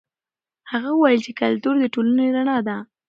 هغه وویل چې کلتور د ټولنې رڼا ده.